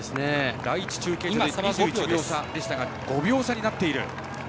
第１中継所２１秒差でしたが５秒差になっている。